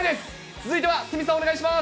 続いては、鷲見さん、お願いします。